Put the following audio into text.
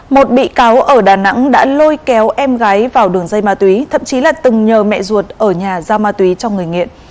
một bị cáo ở đà nẵng đã lôi kéo em gái vào đường dây ma túy thậm chí là từng nhờ mẹ ruột ở nhà giao ma túy cho người nghiện